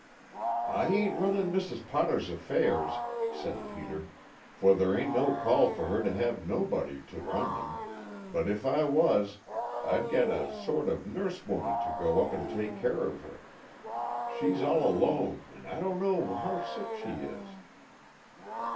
"I ain't running Mrs. Potter's affairs," said Peter, "for there ain't no call for her to have nobody to run them, but, if I was, I'd get a sort of nurse woman to go up and take care of her. She's all alone, and I don't know how sick she is."